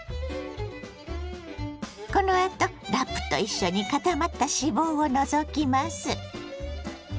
このあとラップと一緒に固まった脂肪を除きます。